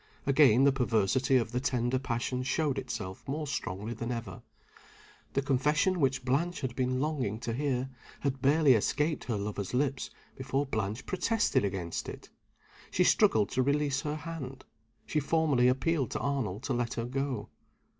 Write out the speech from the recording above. Again the perversity of the tender passion showed itself more strongly than ever. The confession which Blanche had been longing to hear, had barely escaped her lover's lips before Blanche protested against it! She struggled to release her hand. She formally appealed to Arnold to let her go.